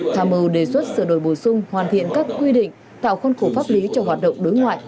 tham mưu đề xuất sửa đổi bổ sung hoàn thiện các quy định tạo khuôn khổ pháp lý cho hoạt động đối ngoại